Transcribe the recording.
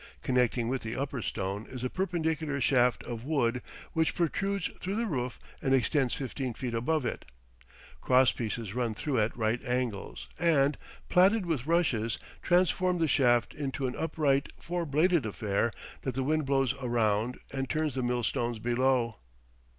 Connecting with the upper stone is a perpendicular shaft of wood which protrudes through the roof and extends fifteen feet above it. Cross pieces run through at right angles and, plaited with rushes, transform the shaft into an upright four bladed affair that the wind blows around and turns the millstones below.